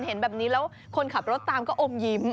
เห็นแบบนี้แล้วคนขับรถตามก็อมยิ้ม